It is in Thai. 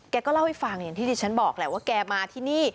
ก็เล่าให้ฟังอย่างที่ดิฉันบอกแหละว่าแกมาที่นี่